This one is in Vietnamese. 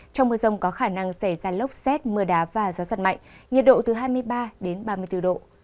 trong mưa rông có khả năng xảy ra lốc xét mưa đá và gió giật mạnh nhiệt độ từ hai mươi ba đến ba mươi bốn độ